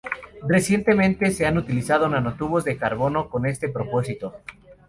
Recientemente se han utilizado nanotubos de carbono con este propósito.